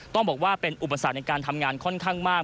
ต้องบอกว่าเป็นอุปสรรคในการทำงานค่อนข้างมาก